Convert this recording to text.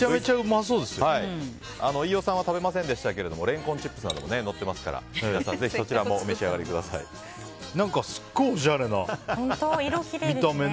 飯尾さんは食べませんでしたけどもレンコンチップスなどものっていますからぜひ、そちらも何かすごいおしゃれな見た目ね。